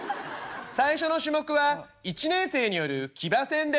「最初の種目は１年生による騎馬戦です」。